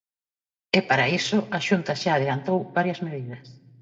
E para iso, a Xunta xa adiantou varias medidas.